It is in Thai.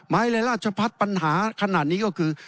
ในราชพัฒน์ปัญหาขนาดนี้ก็คือ